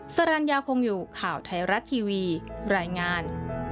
สรรญาคงอยู่ข่าวไทยรัฐทีวีรายงาน